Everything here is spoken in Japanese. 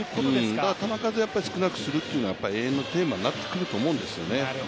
球数少なくするというのは永遠のテーマになってくると思うんですよね。